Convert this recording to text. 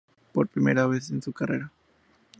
Por primera vez en su carrera.